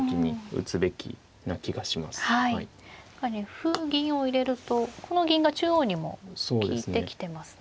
歩銀を入れるとこの銀が中央にも利いてきてますね。